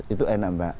itu enak pak